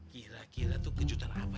kira kira tuh kejutan apa ya